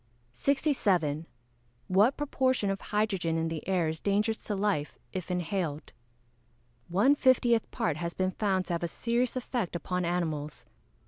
67. What proportion of hydrogen in the air is dangerous to life, if inhaled? One fiftieth part has been found to have a serious effect upon animals.